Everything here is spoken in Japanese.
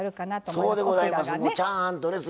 そうでございます。